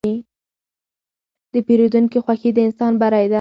د پیرودونکي خوښي د انسان بری ده.